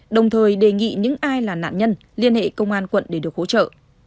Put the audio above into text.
đồng thời đề nghị những ai là nạn nhân liên hệ công an quận để được hỗ trợ